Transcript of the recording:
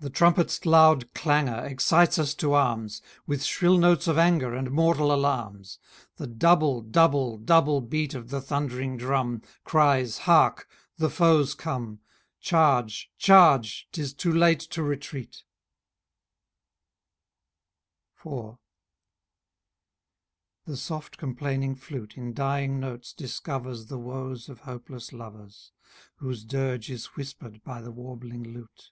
The trumpet's loud clangor Excites us to arms, With shrill notes of anger, And mortal alarms. The double, double, double beat Of the thundering drum, Cries, hark! the foes come: Charge, charge! 'tis too late to retreat. IV. The soft complaining flute, In dying notes, discovers The woes of hopeless lovers; Whose dirge is whispered by the warbling lute.